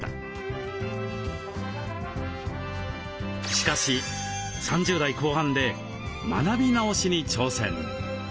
しかし３０代後半で学び直しに挑戦。